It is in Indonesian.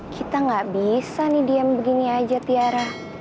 kita gak bisa nih diam begini aja tiara